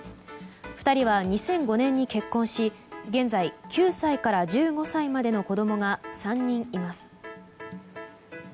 ２人は２００５年に結婚し現在９歳から１５歳までの子供が３人います。